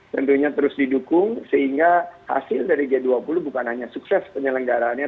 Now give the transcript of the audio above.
tentunya terus didukung sehingga hasil dari g dua puluh bukan hanya sukses penyelenggaraannya